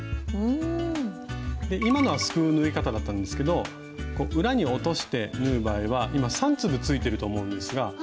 今のはすくう縫い方だったんですけどこう裏に落として縫う場合は今３粒付いてると思うんですが。